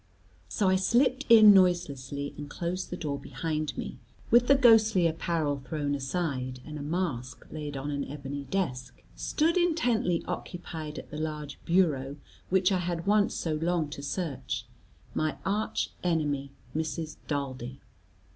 So I slipped in noiselessly and closed the door behind me. With the ghostly apparel thrown aside, and a mask laid on an ebony desk, stood intently occupied at the large bureau, which I had once so longed to search, my arch enemy, Mrs. Daldy.